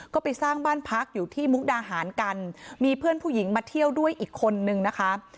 ก็ไปสร้างบ้านพักอยู่ที่มุกดาหารกันมีเพื่อนผู้หญิงมาเที่ยวด้วยอีกคนนึงนะคะ